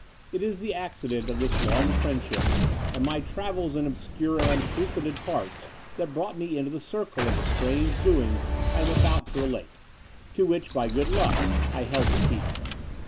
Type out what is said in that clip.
It is the accident of this long friendship and my travels in obscure and unfrequented parts that brought me into the circle of the strange doings I am about to relate — to which, by good luck, I held the key.